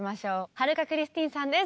春香クリスティーンさんです。